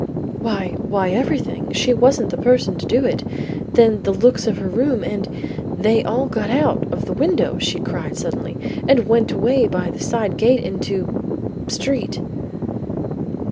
"Why, why, everything. She wasn't the person to do it; then the looks of her room, and They all got out of the window," she cried suddenly, "and went away by the side gate into Street."